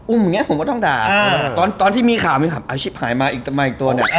อุ้มผมก็ต้องด่าตอนที่มีข่าวมีข่าวอาชิบหายมาอีกตัวเนี่ย